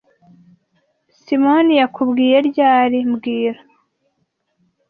Simoni yakubwiye ryari mbwira